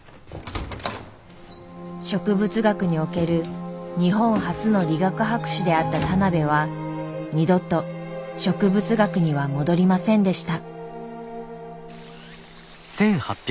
植物学における日本初の理学博士であった田邊は二度と植物学には戻りませんでした。